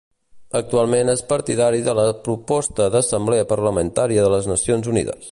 Actualment és partidari de la proposta d'Assemblea Parlamentària de les Nacions Unides.